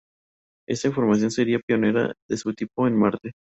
Esta información sería pionera de su tipo en Marte.